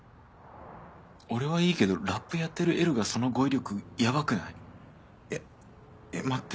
俺はいいけどラップやってるＬがその語彙力ヤバくない？え待って。